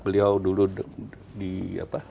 beliau dulu di apa